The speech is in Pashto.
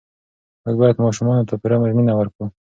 موږ باید ماشومانو ته پوره مینه ورکړو.